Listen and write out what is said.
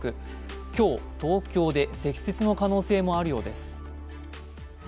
今日、東京で積雪の可能性もあるようです。